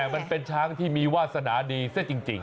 มันเป็นช้างที่มีวาสนาดีซะจริง